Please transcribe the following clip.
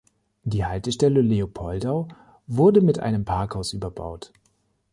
Die Haltestelle Leopoldau wurde mit einem Parkhaus überbaut.